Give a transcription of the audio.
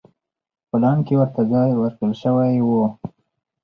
پلان کې ورته ځای ورکړل شوی و.